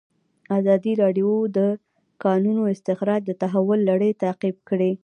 ازادي راډیو د د کانونو استخراج د تحول لړۍ تعقیب کړې.